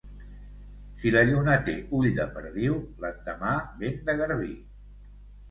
Si la lluna té ull de perdiu, l'endemà vent de garbí.